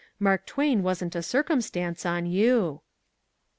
Mark Twain wasn't a circumstance on you."